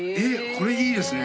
これいいですね。